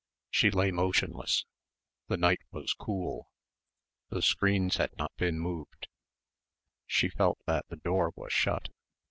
She lay motionless. The night was cool. The screens had not been moved. She felt that the door was shut.